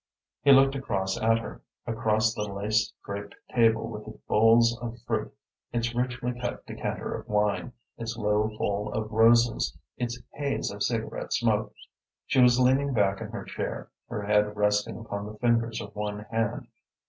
He looked across at her, across the lace draped table with its bowls of fruit, its richly cut decanter of wine, its low bowl of roses, its haze of cigarette smoke. She was leaning back in her chair, her head resting upon the fingers of one hand.